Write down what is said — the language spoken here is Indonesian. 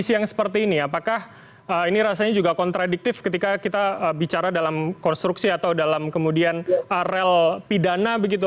kondisi yang seperti ini apakah ini rasanya juga kontradiktif ketika kita bicara dalam konstruksi atau dalam kemudian rel pidana begitu